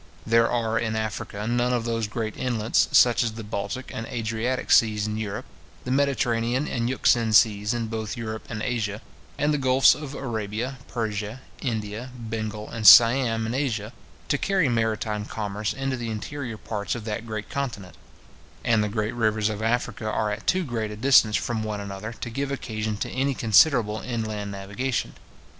There are in Africa none of those great inlets, such as the Baltic and Adriatic seas in Europe, the Mediterranean and Euxine seas in both Europe and Asia, and the gulfs of Arabia, Persia, India, Bengal, and Siam, in Asia, to carry maritime commerce into the interior parts of that great continent; and the great rivers of Africa are at too great a distance from one another to give occasion to any considerable inland navigation.